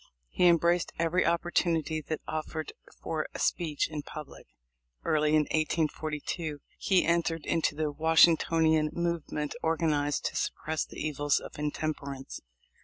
He embraced every opportunity that offered for a speech in public. Early in 1842 he entered into the Washingtonian movement organized to sup press the evils of intemperance.